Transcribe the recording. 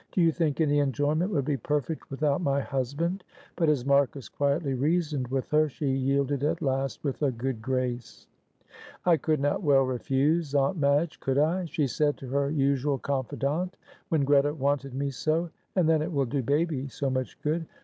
"Do you think any enjoyment would be perfect without my husband?" But as Marcus quietly reasoned with her, she yielded at last with a good grace. "I could not well refuse, Aunt Madge, could I?" she said to her usual confidante, "when Greta wanted me so; and then it will do baby so much good.